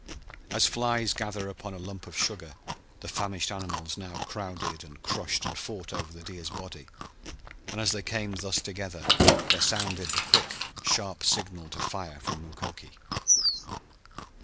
As flies gather upon a lump of sugar the famished animals now crowded and crushed and fought over the deer's body, and as they came thus together there sounded the quick sharp signal to fire from Mukoki.